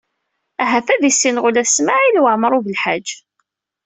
Ahat ad d-issineɣ ula d Smawil Waɛmaṛ U Belḥaǧ.